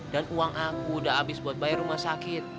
dan uang aku udah abis buat bayar rumah sakit